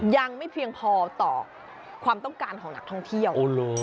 ยังไม่เพียงพอต่อความต้องการของนักท่องเที่ยว